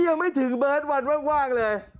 ยังไม่ถึงเบิร์ตวันว่างเลย